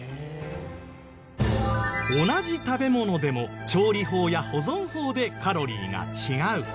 同じ食べ物でも調理法や保存法でカロリーが違う。